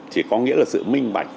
chỉ có nghĩa là sự minh bạch